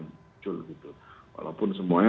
muncul gitu walaupun semuanya